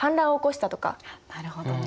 あっなるほどね。